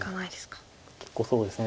結構そうですね